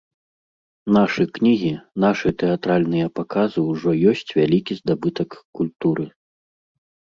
Нашы кнігі, нашы тэатральныя паказы ўжо ёсць вялікі здабытак культуры.